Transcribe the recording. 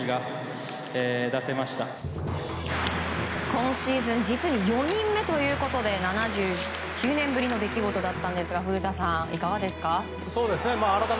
今シーズン実に４人目ということで７９年ぶりの出来事だったんですが古田さん、いかがですか。